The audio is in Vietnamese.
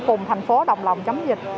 cùng tp hcm chấm dịch